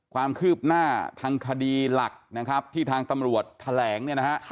ความคืบหน้าทางคดีหลักที่ทางตำรวจแถลง